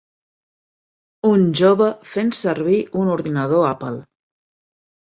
Un jove fent servir un ordinador Apple.